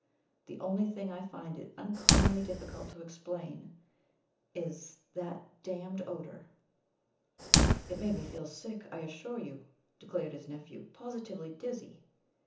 The only thing I find it uncommonly difficult to explain is that damned odor." "It made me feel sick, I assure you," declared his nephew, "positively dizzy!"